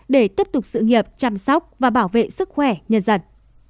để tiếp tục sự nghiệp chăm sóc và bảo vệ sức khỏe nhân dân